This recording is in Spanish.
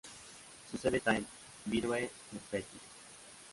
Su sede está en Virieu-le-Petit.